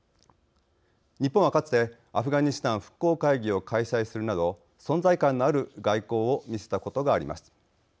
日本は、かつてアフガニスタン復興会議を開催するなど存在感のある外交を見せたことがあります。